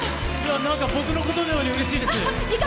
僕のことのようにうれしいです！